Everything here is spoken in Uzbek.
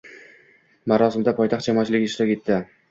Marosimda poytaxt jamoatchiligi ishtirok etdi.